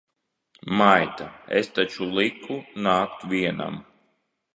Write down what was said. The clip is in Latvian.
Maita! Es taču liku nākt vienam!